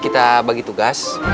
kita bagi tugas